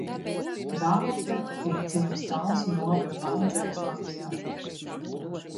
Dārte ir ciems Talsu novada Vandzenes pagastā.